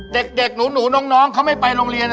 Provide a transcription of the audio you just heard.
เด็กหนูน้องเขาไม่ไปโรงเรียน